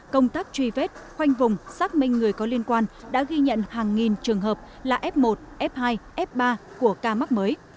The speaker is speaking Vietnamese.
công tác truy vết khoanh vùng xác minh người có liên quan đã ghi nhận hàng nghìn trường hợp là f một f hai f ba của ca mắc mới